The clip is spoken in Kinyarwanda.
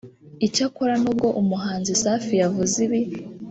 Icyakora nubwo umuhanzi Safi yavuze ibi